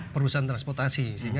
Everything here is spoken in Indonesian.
perusahaan transportasi sehingga